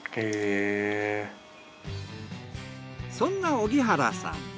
そんな荻原さん